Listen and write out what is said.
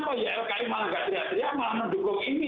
tapi kenapa ylki malah nggak teriak teriak malah mendukung ini